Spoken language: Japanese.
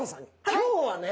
今日はね